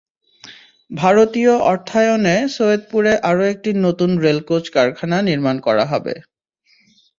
ভারতীয় অর্থায়নে সৈয়দপুরে আরও একটি নতুন রেলকোচ কারখানা নির্মাণ করা হবে।